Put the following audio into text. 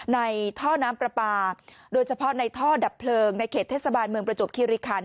ในท่อน้ำปลาปลาโดยเฉพาะในท่อดับเพลิงในเขตเทศบาลเมืองประจบคิริคัน